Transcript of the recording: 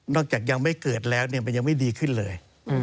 จากยังไม่เกิดแล้วมันยังไม่ดีขึ้นเลย